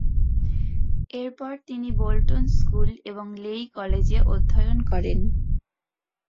এরপর তিনি Bolton school এবং লেই কলেজে অধ্যয়ন করেন।